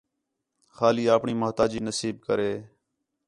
خالی آپݨی مُحتاجی نصیب کرے